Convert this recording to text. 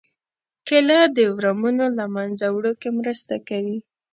کېله د ورمونو له منځه وړو کې مرسته کوي.